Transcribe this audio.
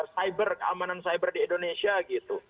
keamanan siber di indonesia gitu